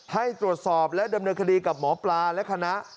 ให้ตรวจสอบและดำเนินคดีกับหมอปลาและคณะ